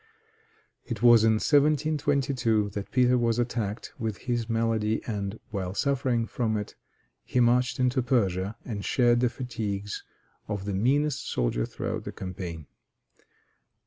It was in 1722 that Peter was attacked with this malady, and while suffering from it he marched into Persia, and shared the fatigues of the meanest soldier throughout the campaign.